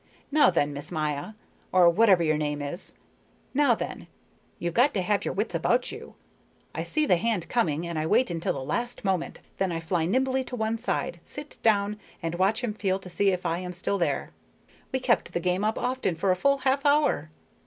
Now then, Miss Maya, or whatever your name is, now then, you've got to have your wits about you. I see the hand coming, but I wait until the last moment, then I fly nimbly to one side, sit down, and watch him feel to see if I am still there. We kept the game up often for a full half hour.